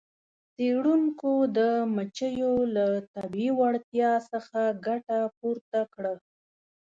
څیړونکو د مچیو له طبیعي وړتیا څخه ګټه پورته کړه.